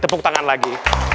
tepuk tangan lagi